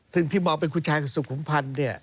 ซึ่งที่มองเป็นคุณชายกับสุขุมพันธ์เนี่ย